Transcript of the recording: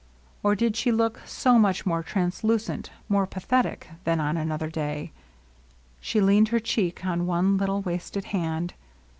Or did she look so much more translucent, more pathetic, than on another day ? She leaned her cheek on one little wasted hand.